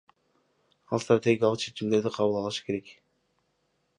Ал стратегиялык чечимдерди кабыл алышы керек.